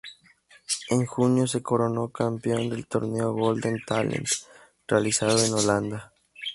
En junio se coronó campeón del "Torneo Golden Talent" realizado en Holanda.